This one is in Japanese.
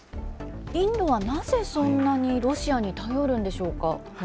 インドはなぜそんなにロシアに頼るんでしょうか。